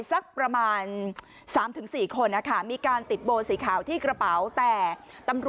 สักประมาณ๓๔คนอะค่ะ